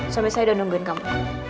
suami saya udah nungguin kamu